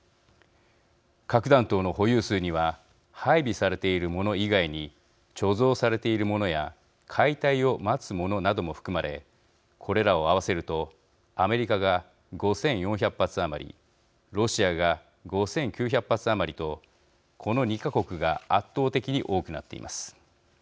核弾頭の保有数には配備されているもの以外に貯蔵されているものや解体を待つものなども含まれこれらを合わせるとアメリカが５４００発余りロシアが５９００発余りとこの２か国が圧倒的に多くなっています。